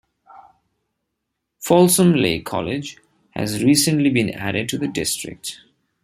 Folsom Lake College has recently been added to the district.